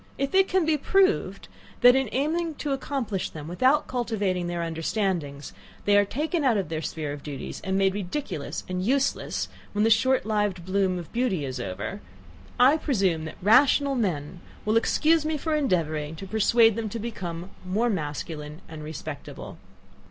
if it can be proved, that in aiming to accomplish them, without cultivating their understandings, they are taken out of their sphere of duties, and made ridiculous and useless when the short lived bloom of beauty is over*, I presume that RATIONAL men will excuse me for endeavouring to persuade them to become more masculine and respectable.